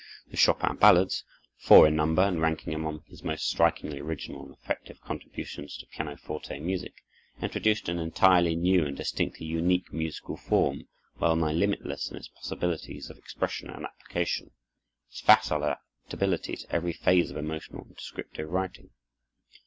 The Chopin ballades, four in number and ranking among his most strikingly original and effective contributions to pianoforte music, introduced an entirely new and distinctly unique musical form, well nigh limitless in its possibilities of expression and application, its facile adaptability to every phase of emotional and descriptive writing.